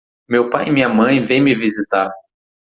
meu pai e minha mãe vem me visitar